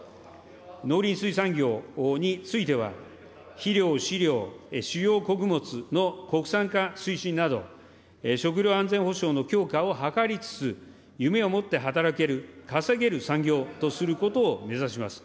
農林水産業については、肥料、飼料、主要穀物の国産化推進など、食料安全保障の強化を図りつつ、夢を持って働ける、稼げる産業とすることを目指します。